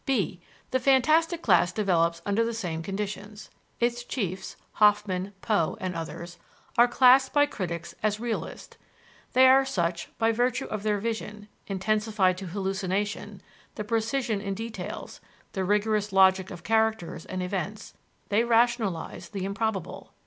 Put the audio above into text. (b) The fantastic class develops under the same conditions. Its chiefs (Hoffmann, Poe, et al.) are classed by critics as realists. They are such by virtue of their vision, intensified to hallucination, the precision in details, the rigorous logic of characters and events: they rationalize the improbable.